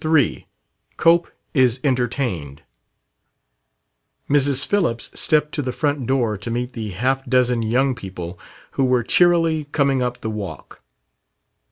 3 COPE IS "ENTERTAINED" Mrs. Phillips stepped to the front door to meet the half dozen young people who were cheerily coming up the walk.